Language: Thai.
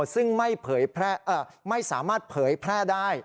ซึ่งไม่สามารถเผยแพร่ได้